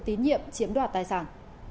tín nhiệm chiếm đoạt tài sản